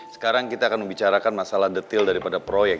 sekarang kita akan membicarakan masalah detil daripada proyek